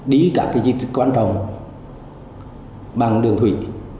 đi cả di tích quan trọng bằng đường thủy